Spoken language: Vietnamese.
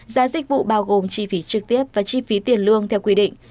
giá dịch vụ bao gồm chi phí trực tiếp và chi phí tiền lương theo quy định